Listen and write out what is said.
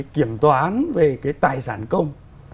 kiểm toán về cái tài sản công